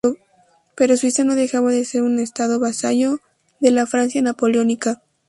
Pero Suiza no dejaba de ser un Estado vasallo de la Francia napoleónica.